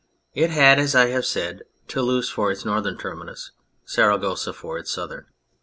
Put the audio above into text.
It had, as I have said, Toulouse for its northern terminus, Saragossa for its southern.